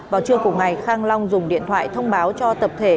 vào trưa cùng ngày khang long dùng điện thoại thông báo cho tập thể